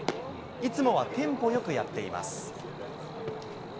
いつもはテンポよくやっています。